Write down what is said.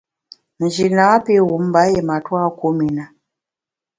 Nji napi wum mba yié matua kum i na.